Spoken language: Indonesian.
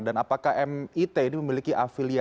dan apakah mit ini memiliki afiliasi